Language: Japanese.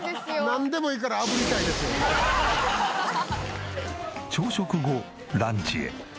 なんでもいいから朝食後ランチへ。